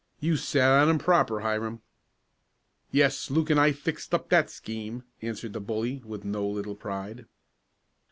"You sat on 'em proper, Hiram." "Yes, Luke and I fixed up that scheme," answered the bully, with no little pride.